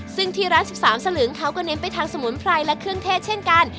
ซึ่งที่ร้าน๑๓สลึงเขาก็เน้นไปทางสมุนไพรและเครื่องเทศเช่นกัน